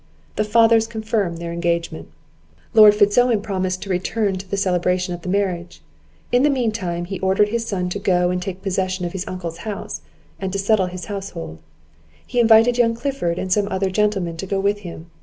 The fathers confirmed their engagement. Lord Fitz Owen promised to return to the celebration of the marriage; in the mean time he ordered his son to go and take possession of his uncle's house, and to settle his household; He invited young Clifford, and some other gentlemen, to go with him.